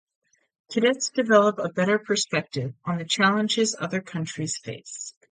Cadets develop a better perspective on the challenges other countries face.